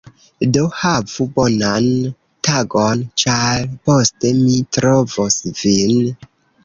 Do, havu bonan tagon, ĉar poste mi trovos vin.